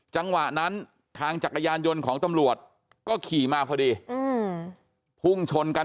จังหวะนั้นทางจักรยานยนต์ของตำรวจก็ขี่มาพอดีพุ่งชนกัน